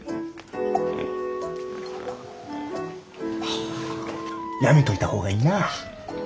はぁやめといた方がいいな。